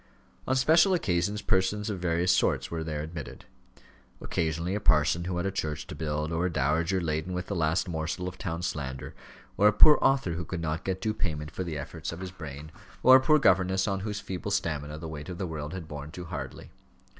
On special occasions persons of various sorts were there admitted; occasionally a parson who had a church to build, or a dowager laden with the last morsel of town slander, or a poor author who could not get due payment for the efforts of his brain, or a poor governess on whose feeble stamina the weight of the world had borne too hardly.